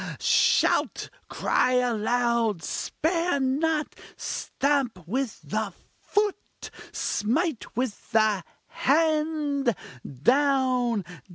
shout! cry aloud! spare not! stamp with the foot! smite with the hand! down!